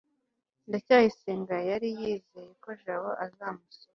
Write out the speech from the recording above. ndacyayisenga yari yizeye ko jabo azamusoma